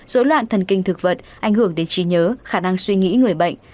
dối loạn thần kinh thực vật ảnh hưởng đến trí nhớ khả năng suy nghĩ người bệnh